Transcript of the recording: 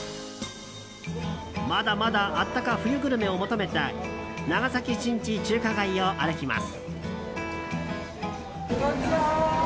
まだまだあったか冬グルメを求めて長崎新地中華街を歩きます。